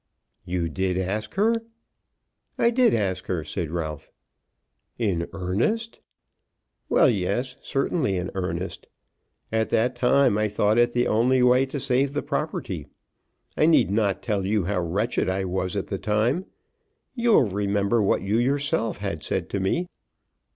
"You did ask her?" "I did ask her," said Ralph. "In earnest?" "Well; yes; certainly in earnest. At that time I thought it the only way to save the property. I need not tell you how wretched I was at the time. You will remember what you yourself had said to me.